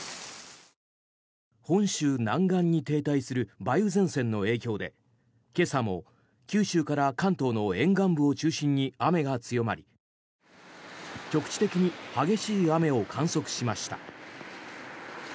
本州南岸に停滞する梅雨前線の影響で今朝も九州から関東の沿岸部を中心に雨が強まり局地的に激しい雨を観測しました。